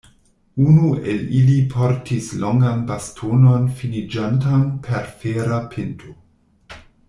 Unu el ili portis longan bastonon finiĝantan per fera pinto.